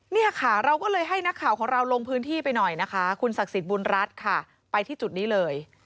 เนี่ยค่ะเราก็เลยให้นักข่าวของเราลงพื้นที่ไปหน่อยนะคะคุณศักดิ์สิทธิ์บุญรัฐค่ะไปที่จุดนี้เลย